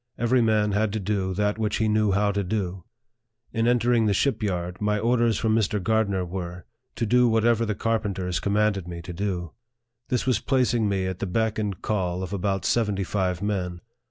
Every man had to do that which he knew how to do. In entering the ship yard, my orders from Mr. Gardner were, to do whatever the carpenters commanded me to do. This was placing me at the beck and call of about seventy five men.